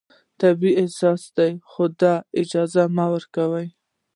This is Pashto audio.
طبیعي احساس دی، خو دا اجازه مه ورکوه